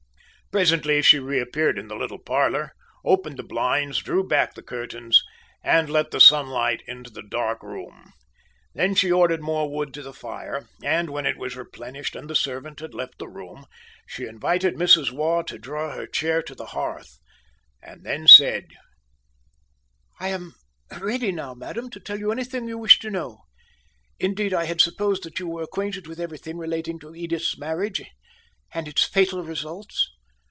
Presently she reappeared in the little parlor, opened the blinds, drew back the curtains, and let the sunlight into the dark room. Then she ordered more wood to the fire, and when it was replenished, and the servant had left the room, she invited Mrs. Waugh to draw her chair to the hearth, and then said: "I am ready now, madam, to tell you anything you wish to know indeed I had supposed that you were acquainted with everything relating to Edith's marriage, and its fatal results."